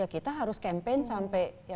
kita harus campaign sampai